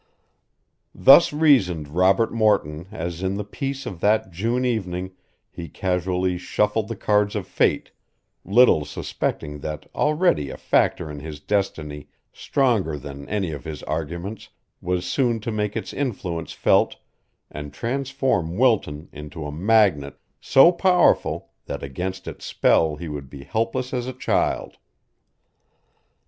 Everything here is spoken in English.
Thus reasoned Robert Morton as in the peace of that June evening he casually shuffled the cards of fate, little suspecting that already a factor in his destiny stronger than any of his arguments was soon to make its influence felt and transform Wilton into a magnet so powerful that against its spell he would be helpless as a child.